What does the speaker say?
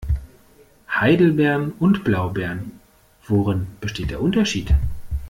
Heidelbeeren und Blaubeeren - worin besteht der Unterschied?